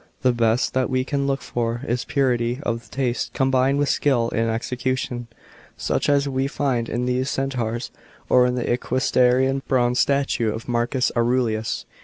The best that we can look for is purity of taste combined with skill in execution, such as we find in these Centaurs or in the equestrian bronze . tatue of Marcus Aurelius.